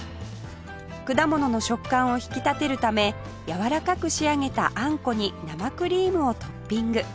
果物の食感を引き立てるためやわらかく仕上げたあんこに生クリームをトッピング